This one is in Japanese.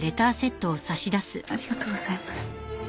ありがとうございます。